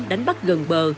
đánh bắt gần bờ